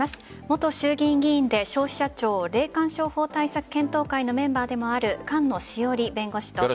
元衆議院議員で消費者庁霊感商法対策検討会のメンバーでもある菅野志桜里弁護士と。